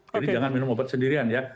jadi jangan minum obat sendirian ya